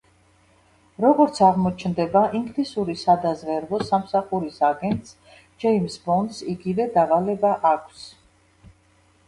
როგორც აღმოჩნდება, ინგლისური სადაზვერო სამსახურის აგენტს ჯეიმზ ბონდს იგივე დავალება აქვს.